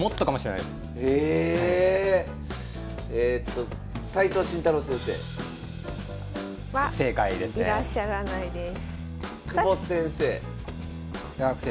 いらっしゃらないです。